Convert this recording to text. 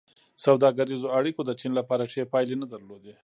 سوداګریزو اړیکو د چین لپاره ښې پایلې نه درلودې.